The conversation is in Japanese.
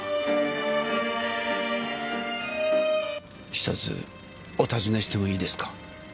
１つお尋ねしてもいいですか？